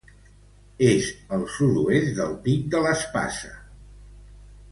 És al sud-oest del Pic de l'Espada.